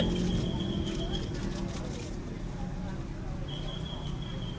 ท่านไกล